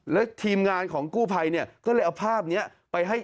แล้วทีมงานของกู้ภัยเนี่ยก็เลยเอาภาพนี้ไปให้